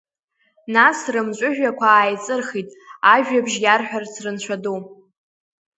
Нас рымҵәыжәҩақәа ааиҵырхит, ажәабжь иарҳәарц рынцәа ду…